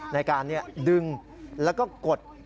ในการดึงแล้วก็กด